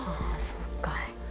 あそっか。